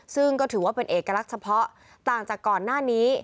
ซึ่งก็ถือว่าเป็นเอกลักษณ์เฉพาะต่างจากก่อนหน้านี้